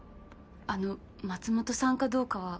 あの松本さんかどうかは。